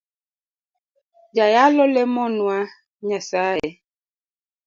Jayalo lemonwa nyasaye.